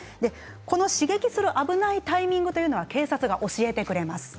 刺激する危ないタイミングというのは警察が教えてくれます。